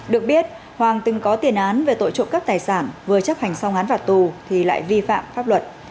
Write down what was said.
được biết hoàng từng có tiền án về tội trộm cắp tài sản vừa chấp hành xong án phạt tù thì lại vi phạm pháp luật